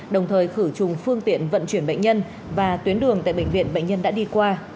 đồng thời khử trùng phương tiện vận chuyển bệnh nhân và tuyến đường tại bệnh viện bệnh nhân đã đi qua